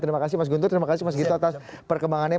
terima kasih mas guntur terima kasih mas gito atas perkembangannya